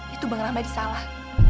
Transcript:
itu bang rahmadi salah